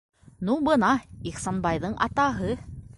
Ну бына Ихсанбайҙың атаһы.